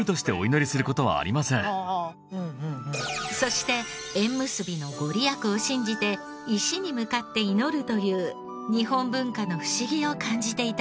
そして縁結びのご利益を信じて石に向かって祈るという日本文化の不思議を感じていたのです。